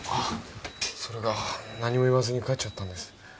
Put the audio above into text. それが何も言わずに帰っちゃったんです